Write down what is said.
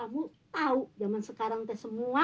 kamu tahu zaman sekarang te semua